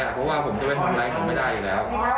กฎหมายแหละเพราะว่าผมจะไปทำอะไรก็ไม่ได้อยู่แล้ว